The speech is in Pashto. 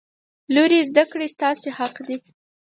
لورې! زده کړې ستاسې حق دی.